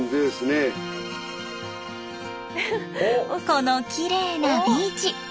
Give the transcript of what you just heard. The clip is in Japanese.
このきれいなビーチ。